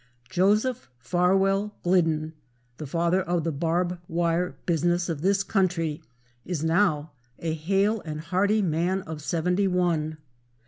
Joseph Farwell Glidden, "the Father of the Barb Wire Business" of this country, is now a hale and hearty man of seventy one.